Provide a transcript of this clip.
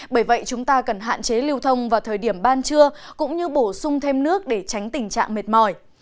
bởi vậy chúng ta cần hạn chế lưu thông vào thời điểm ban trưa cũng như bổ sung thêm nước để tránh tình trạng mệt mỏi